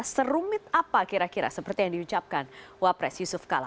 serumit apa kira kira seperti yang diucapkan wapres yusuf kala